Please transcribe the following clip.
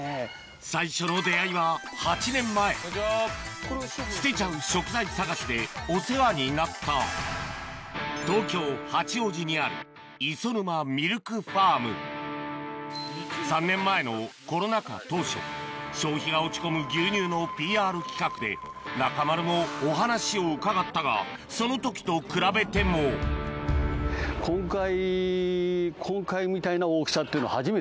最初の出会いは８年前捨てちゃう食材探しでお世話になった３年前のコロナ禍当初消費が落ち込む牛乳のＰＲ企画で中丸もお話を伺ったがその時と比べても今回。